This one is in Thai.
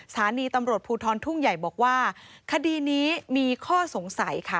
สถานีตำรวจภูทรทุ่งใหญ่บอกว่าคดีนี้มีข้อสงสัยค่ะ